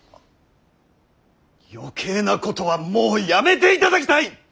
余計なことはもうやめていただきたい！